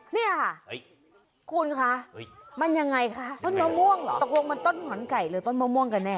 เนี่ยค่ะคุณคะมันยังไงคะต้นมะม่วงเหรอตกลงมันต้นหอนไก่หรือต้นมะม่วงกันแน่